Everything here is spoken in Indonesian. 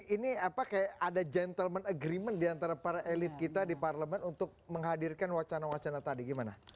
ini apa kayak ada gentleman agreement diantara para elit kita di parlemen untuk menghadirkan wacana wacana tadi gimana